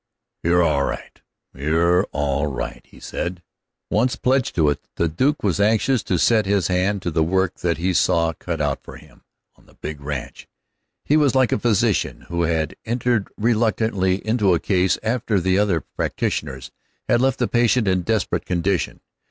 "You're all right, you're all right," he said. Once pledged to it, the Duke was anxious to set his hand to the work that he saw cut out for him on that big ranch. He was like a physician who had entered reluctantly into a case after other practitioners had left the patient in desperate condition.